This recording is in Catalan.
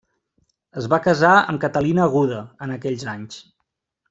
Es va casar amb Catalina Aguda en aquells anys.